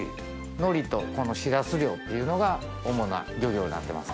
海苔とこのしらす漁っていうのが主な漁業になってます。